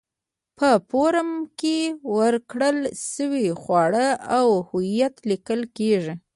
په فورمه کې ورکړل شوي خواړه او هویت لیکل کېږي.